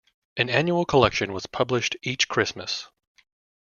An annual collection was published each Christmas.